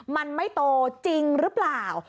มันไม่โตจริงหรือเปล่า